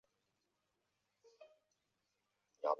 人人有为维护其利益而组织和参加工会的权利。